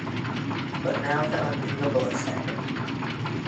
But now, the unthinkable has happened.